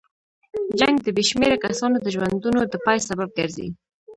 جنګ د بې شمېره کسانو د ژوندونو د پای سبب ګرځي.